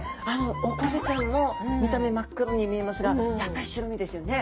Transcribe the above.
オコゼちゃんも見た目真っ黒に見えますがやっぱり白身ですよね。